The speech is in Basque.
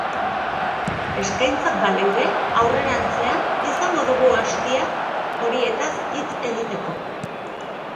Eskaintzak baleude, aurrerantzean izango dugu astia horietaz hitz egiteko.